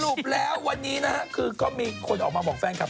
ปแล้ววันนี้นะฮะคือก็มีคนออกมาบอกแฟนคลับ